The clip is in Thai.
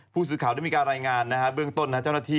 ผู้สื่อข่าวได้มีการรายงานเบื้องต้นเจ้าหน้าที่